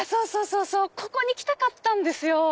ここに来たかったんですよ。